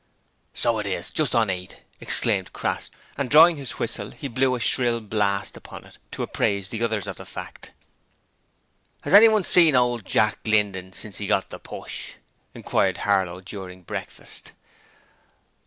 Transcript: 'So it is: just on eight,' exclaimed Crass, and drawing his whistle he blew a shrill blast upon it to apprise the others of the fact. 'Has anyone seen old Jack Linden since 'e got the push?' inquired Harlow during breakfast.